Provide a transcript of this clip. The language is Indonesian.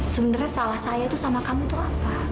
sebenarnya salah saya itu sama kamu tuh apa